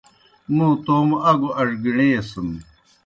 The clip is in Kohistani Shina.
موں توموْ اگوْ اڙگِݨِیسَن۔